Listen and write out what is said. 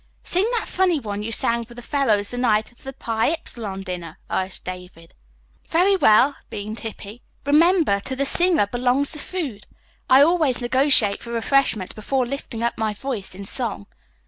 "Sing that funny one you sang for the fellows the night of the Pi Ipsilon dinner," urged David. "Very well," beamed Hippy. "Remember, to the singer belongs the food. I always negotiate for refreshments before lifting up my voice in song."